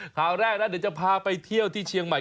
ข่าวแรกนะเดี๋ยวจะพาไปเที่ยวที่เชียงใหม่